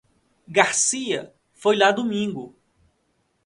Garcia foi lá domingo.